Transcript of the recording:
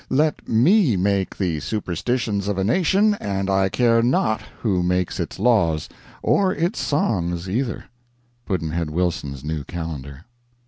Let me make the superstitions of a nation and I care not who makes its laws or its songs either. Pudd'nhead Wilson's New Calendar.